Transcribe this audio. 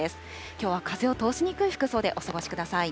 きょうは風を通しにくい服装でお過ごしください。